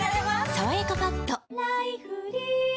「さわやかパッド」